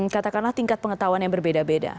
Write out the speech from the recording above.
katakanlah tingkat pengetahuan yang berbeda beda